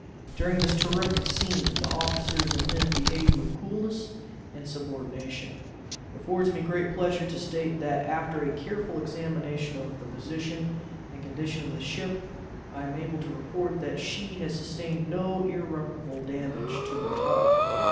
During this terrific scene the officers and men behaved with coolness and subordination. It affords me great pleasure to state, that, after a careful examination of the position and condition of the ship, I am enabled to report that she has sustained no irreparable damage to her hull.